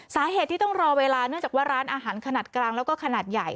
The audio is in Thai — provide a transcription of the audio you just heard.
สาเหตุที่ต้องรอเวลาเนื่องจากว่าร้านอาหารขนาดกลางแล้วก็ขนาดใหญ่